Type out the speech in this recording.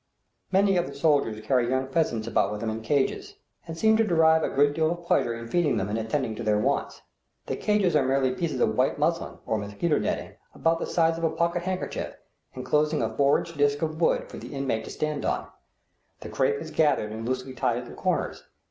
Many of the soldiers carry young pheasants about with them in cages, and seem to derive a good deal of pleasure in feeding them and attending to their wants. The cages are merely pieces of white muslin, or mosquito netting, about the size of a pocket handkerchief, enclosing a four inch disk of wood for the inmate to stand on. The crape is gathered and loosely tied at the corners.